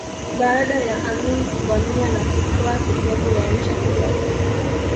Baada ya Amin kuvamia na kutwaa sehemu ya nchi hiyo